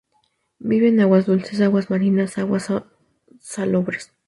Viven en aguas dulces, aguas marinas y aguas salobres.